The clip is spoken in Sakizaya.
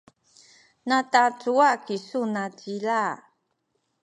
natacuwa kisu nacila?